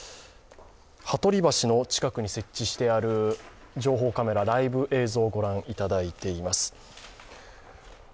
羽鳥橋の近くに設置してある情報カメラ、ライブ映像をご覧いただいています。